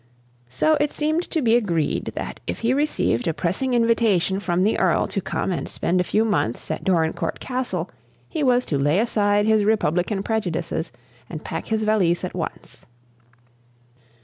So it seemed to be agreed that if he received a pressing invitation from the Earl to come and spend a few months at Dorincourt Castle, he was to lay aside his republican prejudices and pack his valise at once.